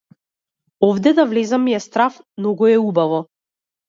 Овде да влезам, ми е страв, многу е убаво.